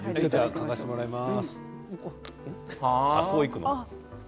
嗅がせてもらいます。